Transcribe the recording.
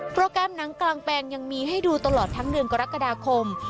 โปรแกรมหนังกลางแปลงยังมีให้ดูตลอดทั้งเดือนกรกฎาคม